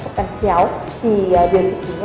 thất tắn chéo thì điều trị